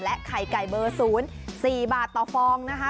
และไข่ไก่เบอร์ศูนย์๔บาทต่อฟองนะคะ